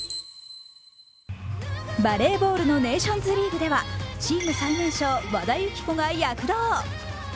バレーボールのネーションズリーグではチーム最年少・和田由紀子が躍動。